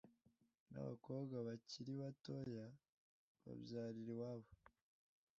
n’abakobwa bakiri batoya babyarira iwabo